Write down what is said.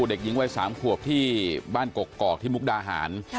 เด็กหญิงวัย๓ขวบที่บ้านกกอกที่มุกดาหาร